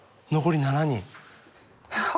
残り７人。